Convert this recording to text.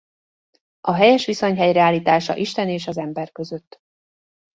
A helyes viszony helyreállítása Isten és az ember között.